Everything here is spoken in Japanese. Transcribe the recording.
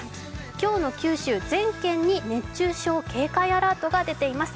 今日の九州全県に熱中症警戒アラートが出ています。